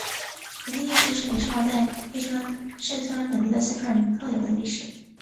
盆地意识是指生活在四川盆地的四川人的特有意识。